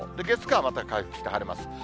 月、火は、また回復して晴れます。